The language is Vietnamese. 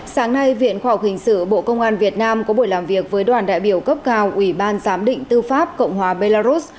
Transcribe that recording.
sáng nay viện khoa học hình sự bộ công an việt nam có buổi làm việc với đoàn đại biểu cấp cao ủy ban giám định tư pháp cộng hòa belarus